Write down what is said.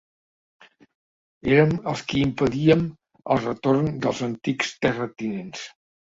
Érem els qui impedíem el retorn dels antics terratinents